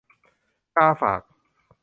กาฝาก